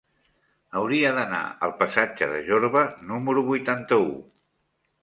Hauria d'anar al passatge de Jorba número vuitanta-u.